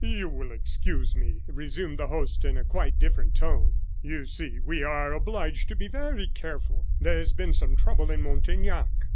"You will excuse me," resumed the host, in quite a different tone. "You see, we are obliged to be very careful. There has been some trouble in Montaignac."